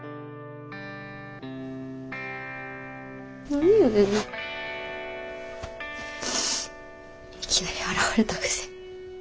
何やねんいきなり現れたくせに。